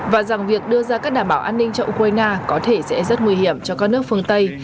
và rằng việc đưa ra các đảm bảo an ninh cho ukraine có thể sẽ rất nguy hiểm cho các nước phương tây